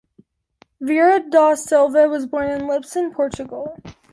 Vieira da Silva was born in Lisbon, Portugal.